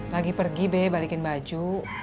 lagi pergi be balikin baju